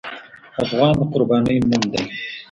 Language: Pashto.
افغان د قربانۍ نوم دی.